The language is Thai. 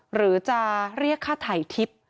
หรือจะเรียกค่าถ่ายทิพย์